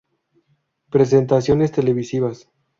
Presentaciones televisivas